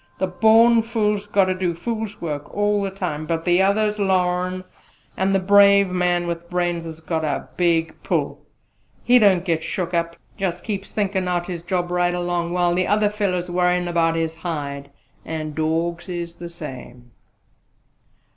The born fool's got to do fool's work all the time: but the others larn; and the brave man with brains 's got a big pull. He don't get shook up jus' keeps on thinkin' out his job right along, while the other feller's worryin' about his hide! An' dawgs is the same."